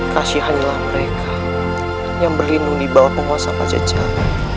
kasih hanyalah mereka yang berlindung dibawah penguasa pajajaran